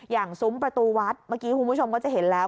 ซุ้มประตูวัดเมื่อกี้คุณผู้ชมก็จะเห็นแล้ว